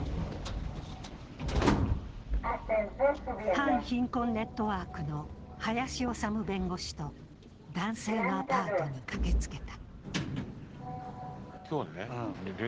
反貧困ネットワークの林治弁護士と男性のアパートに駆けつけた。